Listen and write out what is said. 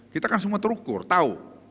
kita kan semua terukur tahu